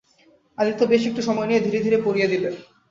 আদিত্য বেশ একটু সময় নিয়ে ধীরে ধীরে পরিয়ে দিলে।